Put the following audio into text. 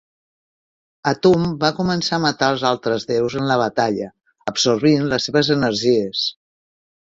Atum va començar a matar els altres déus en la batalla, absorbint les seves energies.